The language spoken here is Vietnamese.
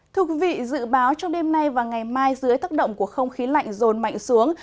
thục vị dự báo trong đêm nay và ngày mai dưới thất động của không khí lạnh rồn mạnh xuống